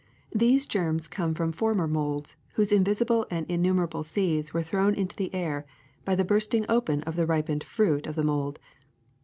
^^ These germs come from former molds whose in visible and innumerable seeds were thrown into the air by the bursting open of the ripened fruit of the mold.